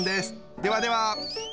ではでは！